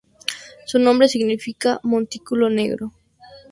Su nombre significa "montículo negro".